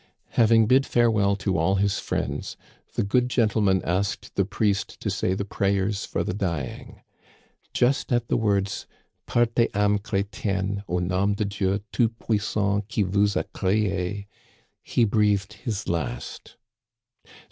Having bid farewell to all his friends, " the good gen tleman " asked the priest to say the prayers for the dying. Just at the words, ^^ Partez âme Chrétienne^ au nom du Dieu tout puissant qui vous a crééy' he breathed his last.